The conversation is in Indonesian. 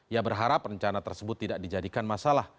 ia berharap rencana tersebut tidak dijadikan masalah